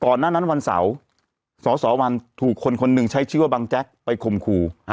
หน้านั้นวันเสาร์สสวันถูกคนคนหนึ่งใช้ชื่อว่าบังแจ๊กไปคมครู